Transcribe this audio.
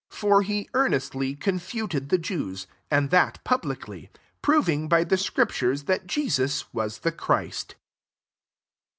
28 For he earnestly confuted the Jewii and (hat publicly ; proving by the scriptures that Jesus was the Christ.